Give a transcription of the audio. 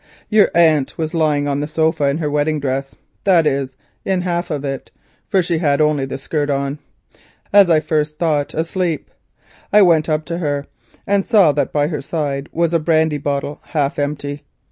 Your aunt was lying on the sofa in her wedding dress (that is, in half of it, for she had only the skirt on), as I first thought, asleep. I went up to her, and saw that by her side was a brandy bottle, half empty.